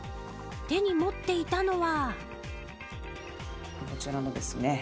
手に持っていたのは。